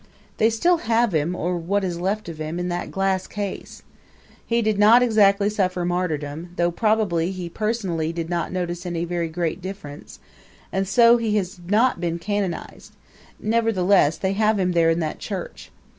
They still have him, or what is left of him, in that glass case. He did not exactly suffer martyrdom though probably he personally did not notice any very great difference and so he has not been canonized; nevertheless, they have him there in that church.